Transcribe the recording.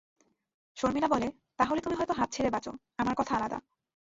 শর্মিলা বলে, তা হলে তুমি হয়তো হাঁপ ছেড়ে বাঁচ, আমার কথা আলাদা।